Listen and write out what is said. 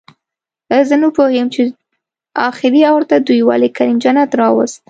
زه نپوهېږم چې اخري اوور ته دوئ ولې کریم جنت راووست